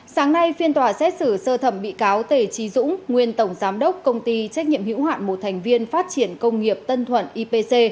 sáng nay phiên tòa xét xử sơ thẩm bị cáo tề trí dũng nguyên tổng giám đốc công ty trách nhiệm hữu hạn một thành viên phát triển công nghiệp tân thuận ipc